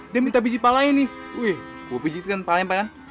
dia minta pijit palanya nih wih gue pijitkan palanya emang kan